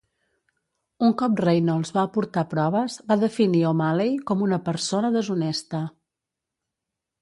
Un cop Reynolds va aportar proves, va definir O'Malley com una "persona deshonesta".